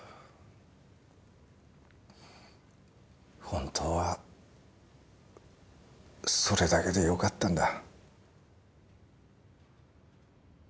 本当はそれだけでよかったんだ。